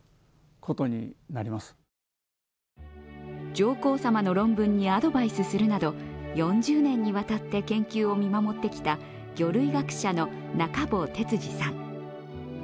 上皇さまの論文にアドバイスするなど４０年にわたって研究を見守ってきた魚類学者の中坊徹次さん。